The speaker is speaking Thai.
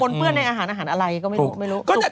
ปนเปื้อนในอาหารอะไรก็ไม่รู้